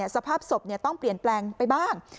สภาพศพต้องเปลี่ยนแปลงไปบ้าง